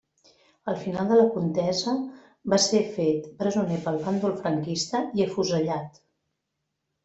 Al final de la contesa va ser fet presoner pel bàndol franquista i afusellat.